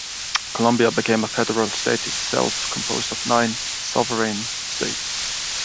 Colombia became a federal state itself composed of nine "sovereign states".